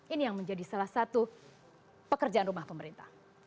ini yang menjadi salah satu pekerjaan rumah pemerintah